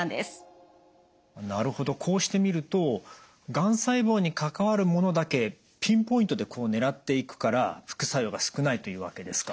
なるほどこうして見るとがん細胞に関わるものだけピンポイントで狙っていくから副作用が少ないというわけですか。